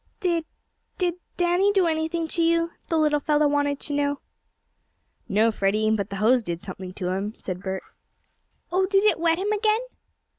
"Did did Danny do anything to you?" the little fellow wanted to know. "No, Freddie, but the hose did something to him," said Bert. "Oh, did it wet him again?"